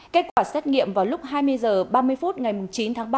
kết quả xét nghiệm vào lúc hai mươi h ba mươi phút ngày chín tháng ba